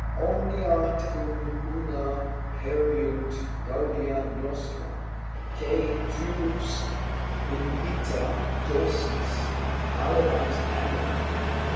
Omnia tecum una perierunt gaudia nostra, Quae tuus in vita dulcis alebat amor.